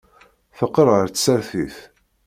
Teqqel ɣer tsertit.